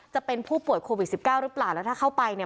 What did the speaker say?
จะเป็นผู้ป่วยโควิด๑๙หรือเปล่าแล้วถ้าเข้าไปเนี่ย